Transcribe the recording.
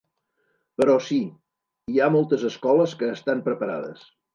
Però sí, hi ha moltes escoles que estan preparades.